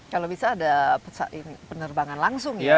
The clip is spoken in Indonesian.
kalau bisa ada penerbangan langsung ya